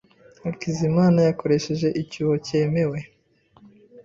Hakizimana yakoresheje icyuho cyemewe.